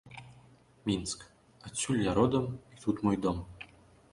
Мінск, адсюль я родам і тут мой дом!